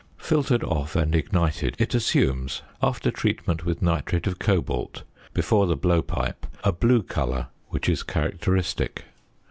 Filtered off and ignited, it assumes, after treatment with nitrate of cobalt before the blowpipe, a blue colour which is characteristic.